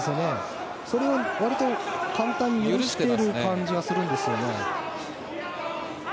それをわりと簡単に許している感じがするんですよね。